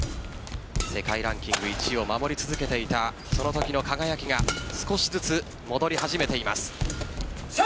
世界ランキング１位を守り続けていたその時の輝きが少しずつ戻り始めています。